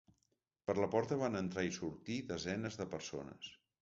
Per la porta van entrar i sortir desenes de persones.